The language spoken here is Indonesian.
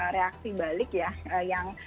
reaksi balik ya yang